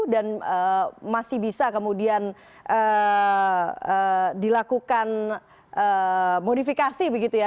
dan masih bisa kemudian dilakukan modifikasi begitu ya